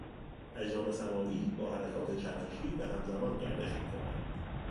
اجرام سماوی با حرکات چرخشی و همزمان گردش میکنند.